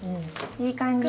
いい感じ。